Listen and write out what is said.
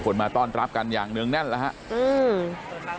คนมาต้อนรับกันอย่างหนึ่งแน่นแล้วฮะอืม